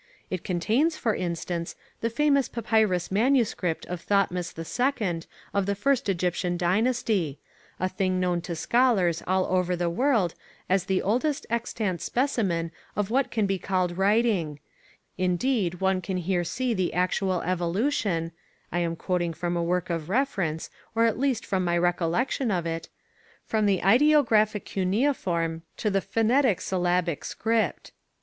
It contains, for instance, the famous Papyrus Manuscript of Thotmes II of the first Egyptian dynasty a thing known to scholars all over the world as the oldest extant specimen of what can be called writing; indeed one can here see the actual evolution (I am quoting from a work of reference, or at least from my recollection of it) from the ideographic cuneiform to the phonetic syllabic script.